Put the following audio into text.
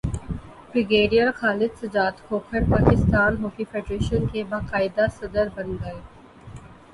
brigadier Khalid Sajjad Khokhar Pakistan hockey federation کے باقاعدہ صدر بن گئے